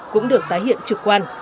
cũng được tái hiện trực quan